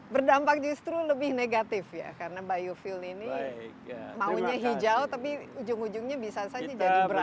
berdampak justru lebih negatif ya karena bio fuel ini maunya hijau tapi ujung ujungnya bisa saja